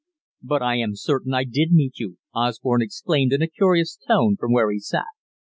"But I am certain I did meet you," Osborne exclaimed in a curious tone, from where he sat.